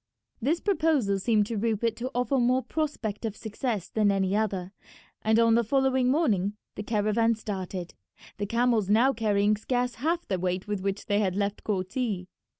This proposal seemed to Rupert to offer more prospect of success than any other, and on the following morning the caravan started, the camels now carrying scarce half the weight with which they had left Korti.